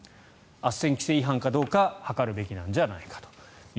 あっせん規制違反かどうか諮るべきなんじゃないかと。